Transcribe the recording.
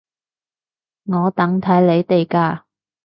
我等睇你哋㗎